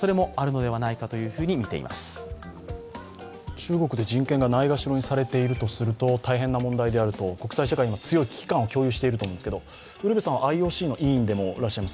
中国で人権がないがしろにされているとすると大変な問題であると国際社会で強い危機感を共有していると思いますがウルヴェさんはＩＯＣの委員でもいらっしゃいます。